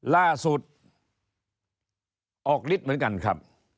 ล่าสุดออกฤทธิ์เหมือนกันครับ